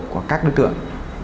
của các đối tượng